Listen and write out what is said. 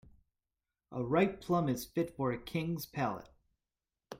A ripe plum is fit for a king's palate.